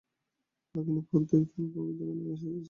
ভগিনী, পথ দীর্ঘ, সময় অল্প, সন্ধ্যাও ঘনাইয়া আসিতেছে।